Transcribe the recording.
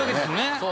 そう。